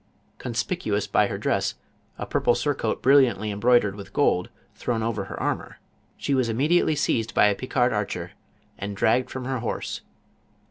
Conspic uous by her dress, a purple surcoat brilliantly embroi dered with gold, thrown over her armor, she was im JOAN OF ABC. 171 mediately seized by a Pieard archer and dragged from her horse.